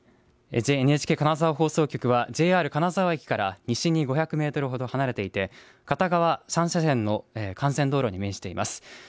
ＮＨＫ金沢放送局はＪＲ金沢駅から西に５００メートルほど離れていて片側３車線の幹線道路に面しています。